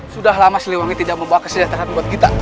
sudah lama siliwangi tidak membawa kesejahteraan buat kita